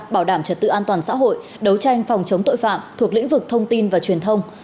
bảo đảm trật tự an toàn xã hội đấu tranh phòng chống tội phạm thuộc lĩnh vực thông tin và truyền thông